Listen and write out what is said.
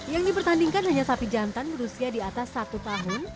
yang dipertandingkan hanya sapi jantan berusia di atas satu tahun